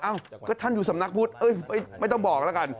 เอ้าก็ท่านอยู่สำนักพุทธไม่ต้องบอกแล้วกัน